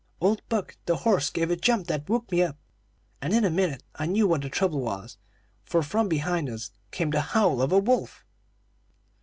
Old Buck, the horse, gave a jump that woke me up, and in a minute I knew what the trouble was, for from behind us came the howl of a wolf.